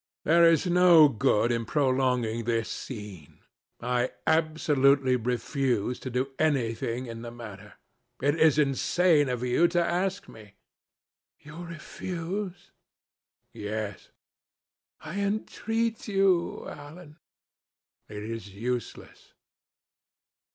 "There is no good in prolonging this scene. I absolutely refuse to do anything in the matter. It is insane of you to ask me." "You refuse?" "Yes." "I entreat you, Alan." "It is useless."